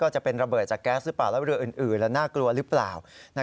จะเป็นระเบิดจากแก๊สหรือเปล่าแล้วเรืออื่นแล้วน่ากลัวหรือเปล่า